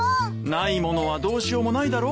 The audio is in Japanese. ないものはどうしようもないだろ。